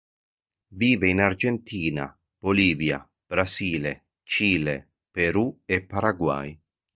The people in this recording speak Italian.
Vive in Argentina, Bolivia, Brasile, Cile, Perù e Paraguay.